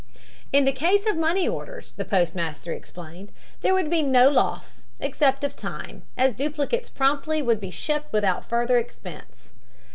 In the case of money orders, the postmaster explained, there would be no loss, except of time, as duplicates promptly would be shipped without further expense.